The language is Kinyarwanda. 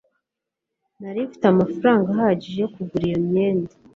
nari mfite amafaranga ahagije yo kugura iyo myenda